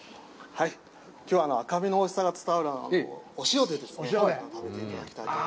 きょうは、赤身のおいしさが伝わるお塩で食べていただきと思います。